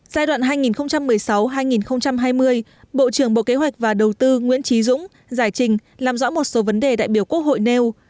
giai đoạn hai nghìn một mươi sáu hai nghìn hai mươi bộ trưởng bộ kế hoạch và đầu tư nguyễn trí dũng giải trình làm rõ một số vấn đề đại biểu quốc hội nêu